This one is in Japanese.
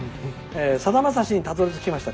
「さだまさしにたどりつきました」。